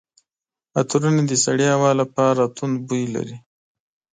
عطرونه د سړې هوا لپاره توند بوی لري.